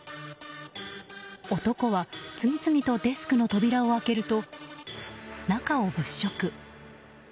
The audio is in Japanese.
男は次々とデスクの扉を開けると中を物色。